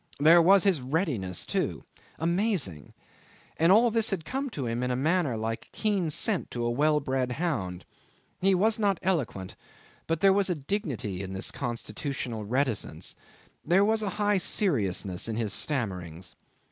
There was his readiness, too! Amazing. And all this had come to him in a manner like keen scent to a well bred hound. He was not eloquent, but there was a dignity in this constitutional reticence, there was a high seriousness in his stammerings.